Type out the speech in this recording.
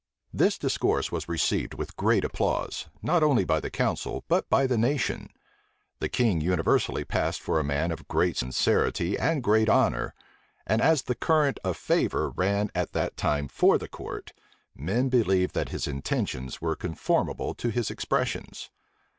This discourse was received with great applause, not only by the council, but by the nation. The king universally passed for a man of great sincerity and great honor; and as the current of favor ran at that time for the court, men believed that his intentions were conformable to his expressions.